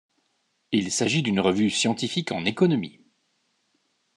Il s'agit d'une revue scientifique en économie.